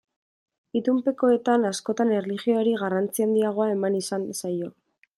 Itunpekoetan askotan erlijioari garrantzi handiagoa eman izan zaio.